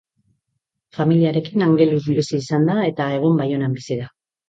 Familiarekin Angelun bizi izan da eta egun Baionan bizi da.